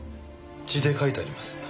血で書いてあります。